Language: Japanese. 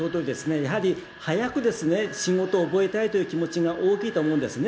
やはり早くですね、仕事を覚えたいという気持ちが大きいと思うんですね。